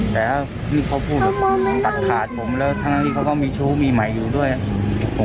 แต่ถ้านี่เขาพูดตัดขาดผมแล้วทางนั้นที่เขาก็มีชู้มีไหมอยู่ด้วยอืม